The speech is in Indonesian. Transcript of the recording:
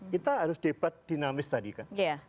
kita harus debat dinamis tadi kan